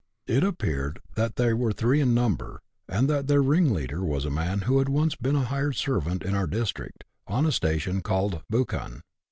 It appeared that they were three in number, and that their ringleader was a man who had once been a hired servant in our district, on a station called " Buchan."